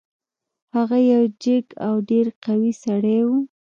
هغه یو جګ او ډیر قوي سړی و.